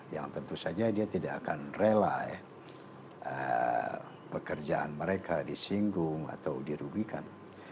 yang tentu saja dia tidak akan rela pekerjaan mereka disinggung atau dirugikan